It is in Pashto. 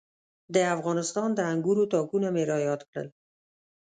د افغانستان د انګورو تاکونه مې را یاد کړل.